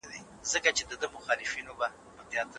د پوستکي ستونزې ډېرېږي.